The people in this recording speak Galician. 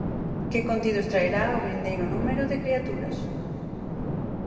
Que contidos traerá o vindeiro número de Criaturas.